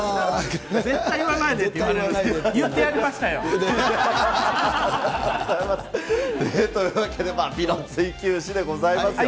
絶対言わないでって言われるんですけど、言ってやりましたよ。というわけで、美の追求史でございますよ。